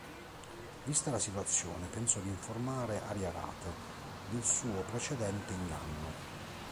Vista la situazione, pensò di informare Ariarate del suo precedente inganno.